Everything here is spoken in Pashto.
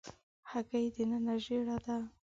هګۍ دننه ژېړه ده.